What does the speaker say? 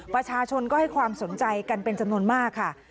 ประชาชนก็ให้ความสนใจกันเป็นจำนวนมากค่ะ